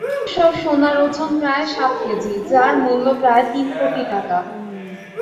এসব সোনার ওজন প্রায় সাত কেজি, যার মূল্য প্রায় তিন কোটি টাকা।